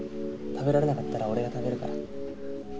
食べられなかったら俺が食べるから。